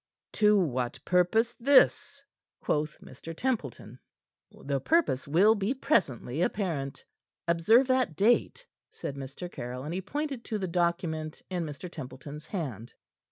"To what purpose, this?" quoth Mr. Templeton. "The purpose will be presently apparent. Observe that date," said Mr. Caryll, and he pointed to the document in Mr. Templeton's hand.